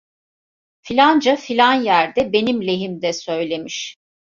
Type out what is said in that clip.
Filanca filan yerde benim lehimde söylemiş!